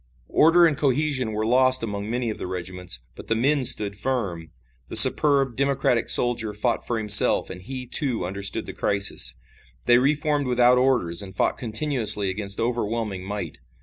Order and cohesion were lost among many of the regiments, but the men stood firm. The superb, democratic soldier fought for himself and he, too, understood the crisis. They re formed without orders and fought continuously against overwhelming might.